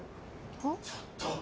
ちょっと！